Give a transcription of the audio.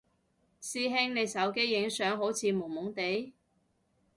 師兄你手機影相好似朦朦哋？